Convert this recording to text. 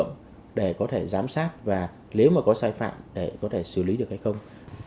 nếu mà có sai phạm có thể xử lý được hay không